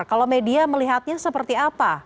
kalau media melihatnya seperti apa